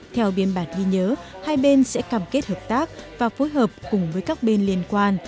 theo biên bản ghi nhớ hai bên sẽ cam kết hợp tác và phối hợp cùng với các bên liên quan